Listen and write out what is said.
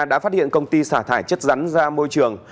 đã phát hiện công ty xả thải chất rắn ra môi trường